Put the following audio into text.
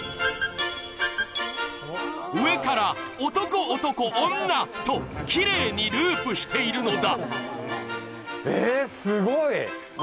上から男、男、女ときれいにループしているのだ。